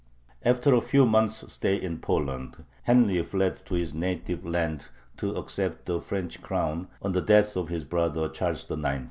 After a few months' stay in Poland, Henry fled to his native land to accept the French crown, on the death of his brother Charles IX.